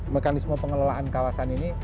mekanisme pengelolaan kawasan ini